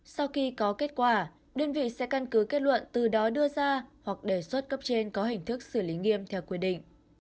sau khi có kết quả đơn vị sẽ căn cứ kết luận từ đó đưa ra hoặc đề xuất cấp trên có hình thức xử lý nghiêm theo quy định